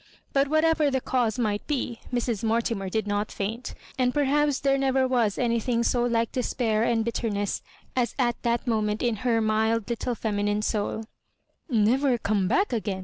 But whatever the cause might be, Mrs. Mortimer did not faint ; and per haps there never was anything so like despair and bitterness as at that moment in her mild lit tle feminine soul " Never come back again